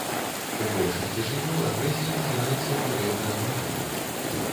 У большасці жывёл агрэсія назіраецца ў перыяд размнажэння.